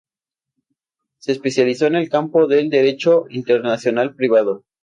Se especializó en el campo del Derecho Internacional Privado.